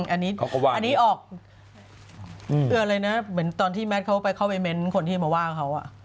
อันนี้ออกเหมือนตอนที่แมทเข้าไปเม้นคนที่มาว่าเขา